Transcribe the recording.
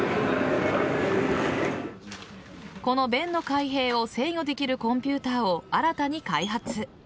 この弁の開閉を制御できるコンピューターを新たに開発。